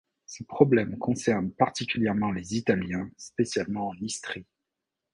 Ce problème concerne particulièrement les Italiens, spécialement en Istrie.